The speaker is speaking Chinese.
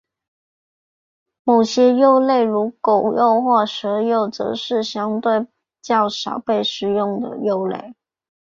某些肉类如狗肉或蛇肉则是相对较少被食用的肉类。